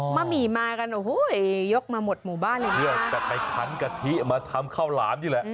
หมี่มากันโอ้โหยกมาหมดหมู่บ้านเลยนะเพื่อจะไปขันกะทิมาทำข้าวหลามนี่แหละ